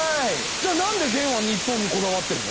じゃあなんで元は日本にこだわってるの？